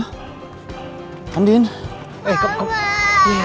hai andien eh kamu masih banyak